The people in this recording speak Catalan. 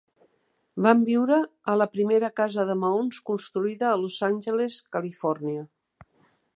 Van viure a la primera casa de maons construïda a Los Angeles, Califòrnia.